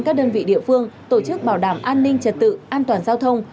các đơn vị địa phương tổ chức bảo đảm an ninh trật tự an toàn giao thông